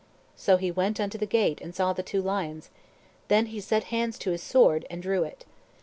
So he went unto the gate, and saw the two lions; then he set hands to his sword, and drew it.